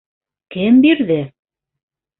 Кем бирҙе?